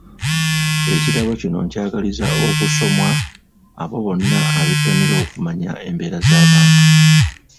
Ekitabo kino nkyagaliza okusomwa abo bonna abettanira okumanya embeera z'abantu.